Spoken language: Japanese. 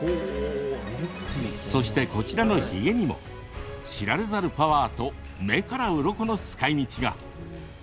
そして、こちらのヒゲにも知られざるパワーと目からうろこの使いみちが。